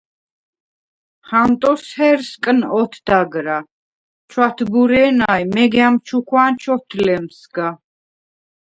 ჰანტოს ჰერსკნ ოთდაგრა, ჩვათბურე̄ნა ი მეგა̈მ ჩუქვა̄ნ ჩვოთლემსგა.